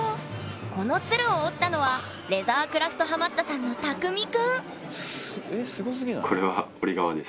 この鶴を折ったのはレザークラフトハマったさんのたくみくんえっすごすぎない？